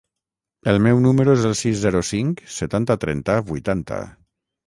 El meu número es el sis, zero, cinc, setanta, trenta, vuitanta.